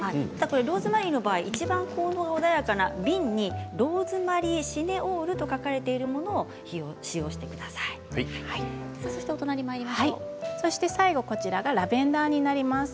ローズマリーの場合いちばん効能が穏やかな瓶にローズマリーシネオールと書かれているものをそして最後がラベンダーになります。